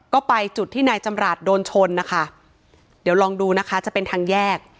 ก็ไปจุดที่นายจำรัฐโดนชนนะคะเดี๋ยวลองดูนะคะจะเป็นทางแยก